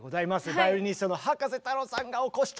バイオリニストの葉加瀬太郎さんがお越しということで！